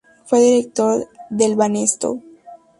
Fue director del Banesto.